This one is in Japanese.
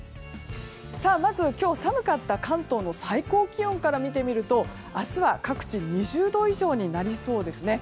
まず今日寒かった関東の最高気温から見てみると明日は各地２０度以上になりそうですね。